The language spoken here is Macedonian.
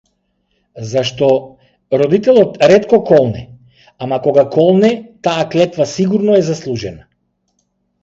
Зашто, родителот ретко колне, ама кога колне, таа клетва сигурно е заслужена.